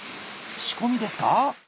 仕込みですか？